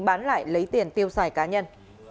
bán lại lấy tiền tiêu xài cá nhân